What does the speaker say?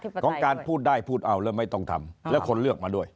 ของการพูดได้พูดเอาแล้วไม่ต้องทำแล้วคนเลือกมาด้วย